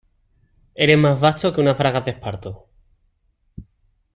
Eres más basto que unas bragas de esparto